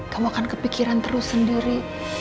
kamu akan kepikiran terus sendiri